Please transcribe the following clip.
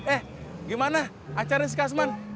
eh gimana acaranya si kasman